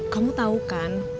kamu tau kan